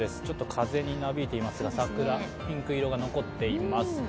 ちょっと風になびいていますが桜、ピンク色が残っています。